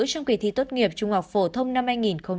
trong kỳ thi tốt nghiệp trung học phổ thông năm hai nghìn hai mươi